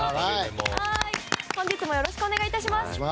本日もよろしくお願いいたします。